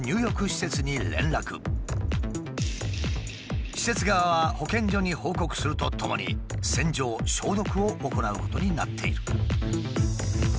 施設側は保健所に報告するとともに洗浄・消毒を行うことになっている。